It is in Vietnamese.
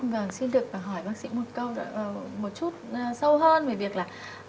vâng xin được hỏi bác sĩ một câu một chút sâu hơn về việc là